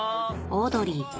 オードリー